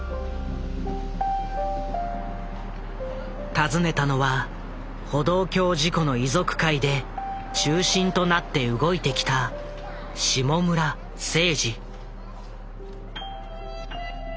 訪ねたのは歩道橋事故の遺族会で中心となって動いてきた下村誠治。